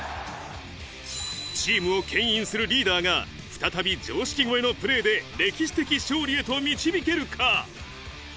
チームをけん引するリーダーが再び常識超えのプレーで歴史的勝利へと導けるか？